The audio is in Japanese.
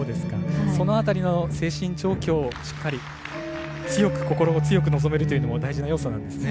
その辺りの精神状況をしっかり強く心も強く臨めるというのも大事な要素なんですね。